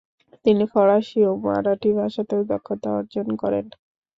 তিনি ফরাসি ও মারাঠি ভাষাতেও দক্ষতা অর্জন করেন।